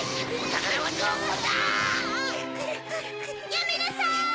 やめなさい！